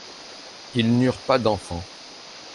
Ils n'eurent pas d'enfants.